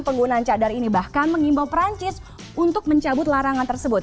penggunaan cadar ini bahkan mengimbau perancis untuk mencabut larangan tersebut